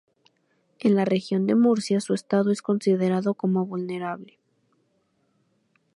En la Región de Murcia, su estado es considerado como vulnerable.